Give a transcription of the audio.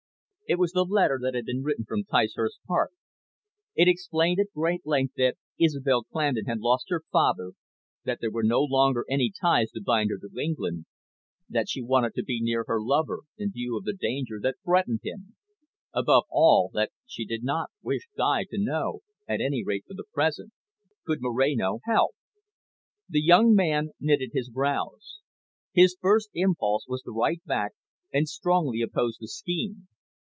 It was the letter that had been written from Ticehurst Park. It explained at great length that Isobel Clandon had lost her father, that there were no longer any ties to bind her to England, that she wanted to be near her lover, in view of the danger that threatened him. Above all, that she did not wish Guy to know, at any rate for the present. Could Moreno help? The young man knitted his brows. His first impulse was to write back and strongly oppose the scheme.